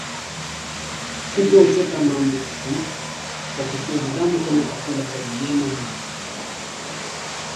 Kupe huchota maambuki kwa kufyonza damu kama chakula kwa mnyama mwenye maambukizi